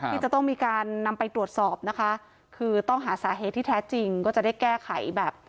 ที่จะต้องมีการนำไปตรวจสอบนะคะคือต้องหาสาเหตุที่แท้จริงก็จะได้แก้ไขแบบ